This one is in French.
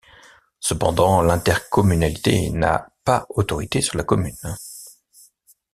Cependant, l’intercommunalité n’a pas autorité sur la commune.